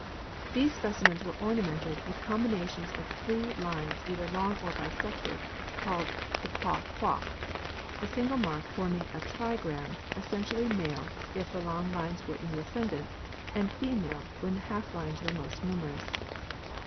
These specimens were ornamented with combinations of three lines either long or bissected, called the Pa kwa, the single mark forming a trigram essentially male if the long lines were in the ascendant, and female when the half lines were most numerous.